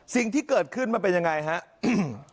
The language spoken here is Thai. สิ่งที่เกิดขึ้นมันเป็นยังไงครับ